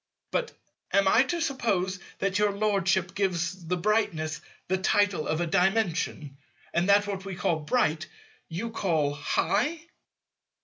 But am I to suppose that your Lordship gives the brightness the title of a Dimension, and that what we call "bright" you call "high"?